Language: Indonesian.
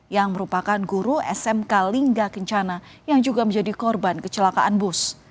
yang merupakan guru smk lingga kencana yang juga menjadi korban kecelakaan bus